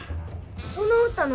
その歌何？